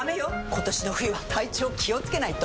今年の冬は体調気をつけないと！